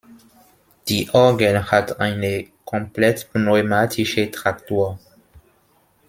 Die Orgel hat eine komplett pneumatische Traktur.